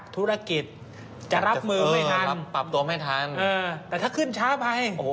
แต่ถ้าขึ้นช้าไป